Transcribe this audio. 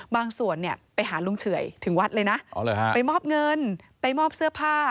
บางส่วนเนี่ยไปหาลุงเฉยถึงวัดเลยนะอ๋อเหรอฮะไปมอบเงินไปมอบเสื้อผ้า